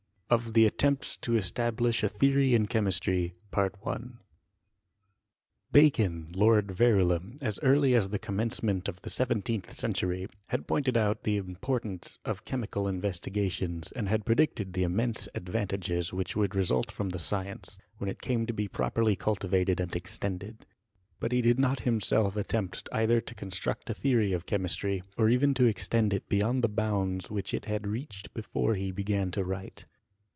or THE ATTEMPTS TO ESTABLISH A THEORY IN CHEMIST&T. Bacon, Lord Verulam, as early as the commence ment of the 17th century, had pointed out the im portance of chemical investigations, and had predicted the immense advantages which would result from the science, when it came to be properly cultivated and extended ; but he did not himself attempt either to construct a theory of chemistry, or even to extend it beyond the bounds which it had reached before he began to write.